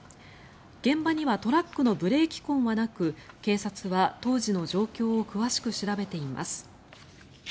現場にはトラックのブレーキ痕はなく警察は当時の状況を詳しく調べています。